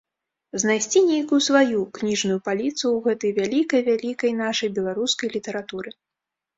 Знайсці нейкую сваю кніжную паліцу ў гэтай вялікай-вялікай нашай беларускай літаратуры.